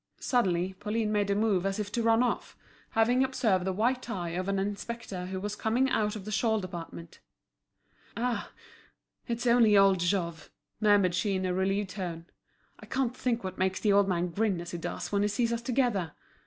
Suddenly, Pauline made a move as if to run off, having observed the white tie of an inspector who was coming out of the shawl department. "Ah! it's only old Jouve!" murmured she in a relieved tone. "I can't think what makes the old man grin as he does when he sees us together.